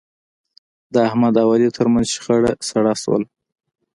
د احمد او علي ترمنځ شخړه سړه شوله.